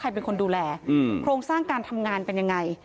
เป็นคนดูแลโครงสร้างการทำงานเป็นยังไง